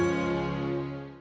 terima kasih bang